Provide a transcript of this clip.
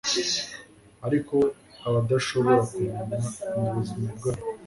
Ariko abadashobora kumenya mubuzima bwabo